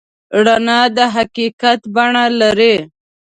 رڼا د حقیقت بڼه لري.